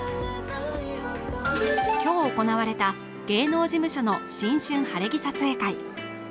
今日行われた芸能事務所の新春晴れ着撮影会。